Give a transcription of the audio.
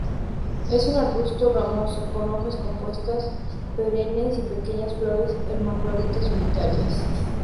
Es un arbusto ramoso con hojas compuestas perennes y pequeñas flores hermafroditas solitarias.